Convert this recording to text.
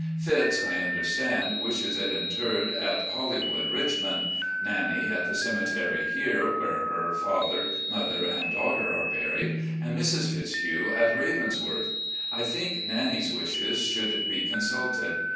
Fitz., I understand, wishes it interred at Holly wood, Richmond; Nannie at the cemetery here, where her father, mother, and daughter are buried; and Mrs. Fitzhugh at 'Ravensworth.' I think Nannie's wishes should be consulted.